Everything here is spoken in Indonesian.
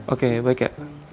oke baik ya